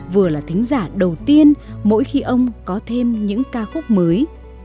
vừa là thính giả đầu tiên mỗi khi ông có thêm những ca khúc mới